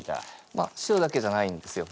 まあ塩だけじゃないんですよ。